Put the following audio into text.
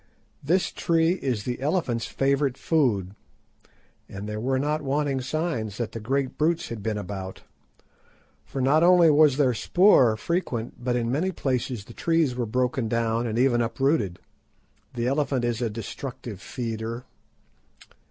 This tree is the elephant's favourite food, and there were not wanting signs that the great brutes had been about, for not only was their spoor frequent, but in many places the trees were broken down and even uprooted. The elephant is a destructive feeder.